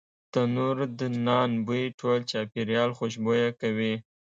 تنوردنان بوی ټول چاپیریال خوشبویه کوي.